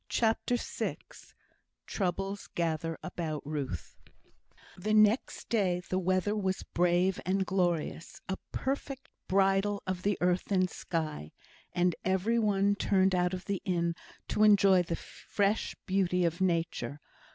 CHAPTER VI Troubles Gather About Ruth The next day the weather was brave and glorious; a perfect "bridal of the earth and sky;" and every one turned out of the inn to enjoy the fresh beauty of nature.